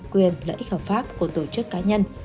quyền lợi ích hợp pháp của tổ chức cá nhân